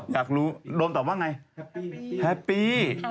แล้วผู้ใช้รากไปไหนอะ